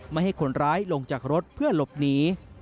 ไม่ให้คนร้ายลงจากรถเพื่อหลบหนี